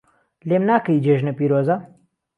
لێم ناکەی جێژنە پیرۆزە